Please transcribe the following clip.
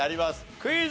クイズ。